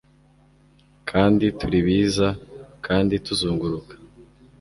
kandi turibiza kandi tuzunguruka